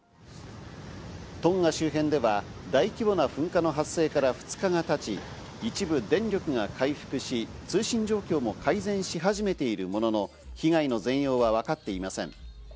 トンガ周辺では大規模な噴火の発生から２日が経ち、一部電力が回復し、通信状況も改善し始めているものの被害の全容はわかっていません。